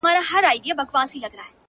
ګرم خو به نه یم چي تیاره ستایمه,